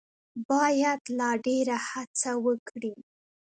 باید لا ډېره هڅه وکړي.